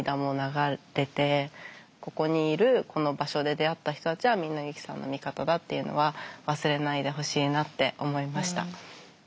ここにいるこの場所で出会った人たちはみんなユキさんの味方だっていうのは忘れないでほしいなって思いました。